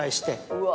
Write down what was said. うわ。